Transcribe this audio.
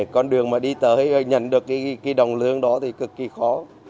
con đường mà đi tới nhận được cái đồng lương đó thì cực kỳ khó